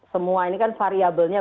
semua ini kan variabelnya